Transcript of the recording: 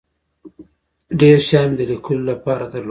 ډیر شیان مې د لیکلو له پاره درلودل.